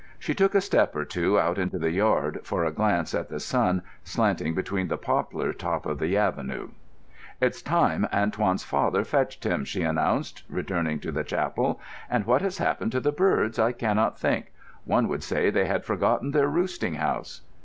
She took a step or two out into the yard, for a glance at the sun slanting between the poplar top of the avenue. "It's time Antoine's father fetched him," she announced, returning to the chapel. "And what has happened to the birds I cannot think. One would say they had forgotten their roosting house."